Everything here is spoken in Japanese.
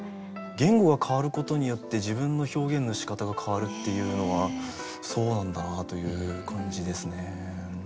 言語が変わることによって自分の表現のしかたが変わるっていうのはそうなんだなという感じですね。